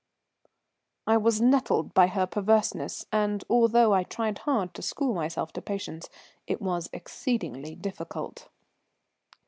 I was nettled by her perverseness, and although I tried hard to school myself to patience, it was exceedingly difficult.